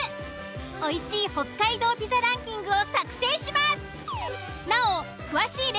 おいしい北海道ピザランキングを作成します。